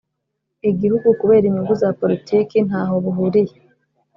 igihugu kubera inyungu za politiki ntaho buhuriye